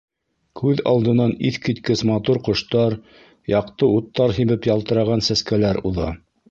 Күҙ алдынан иҫ киткес матур ҡоштар, яҡты уттар һибеп ялтыраған сәскәләр уҙа.